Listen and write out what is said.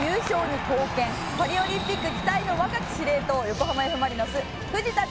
パリオリンピック期待の若き司令塔横浜Ｆ・マリノス藤田譲